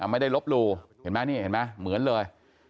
ไม่ได้ลบหลู่เห็นไหมเหมือนเลย